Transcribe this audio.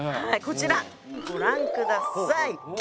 こちらご覧下さい。